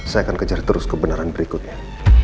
saya akan kejar terus kebenaran berikutnya